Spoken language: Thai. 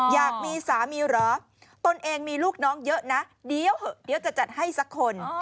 อยากมีสามีเหรอตนเองมีลูกน้องเยอะนะเดี๋ยวจะจัดให้สักคน